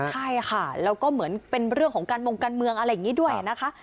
ใช่ค่ะแล้วก็เหมือนเป็นเรื่องของการมงการเมืองอะไรอย่างนี้ด้วยนะคะ